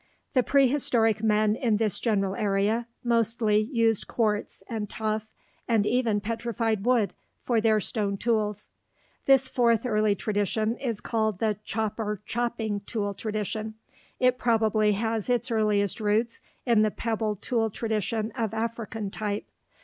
The prehistoric men in this general area mostly used quartz and tuff and even petrified wood for their stone tools (see illustration, p. 46). This fourth early tradition is called the chopper chopping tool tradition. It probably has its earliest roots in the pebble tool tradition of African type.